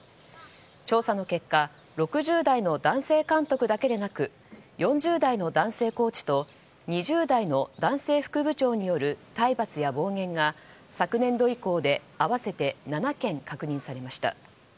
調査の結果６０代の男性監督だけでなく４０代の男性コーチと２０代の男性副部長による体罰や暴言が、昨年度以降で合わせて７件、確認されました。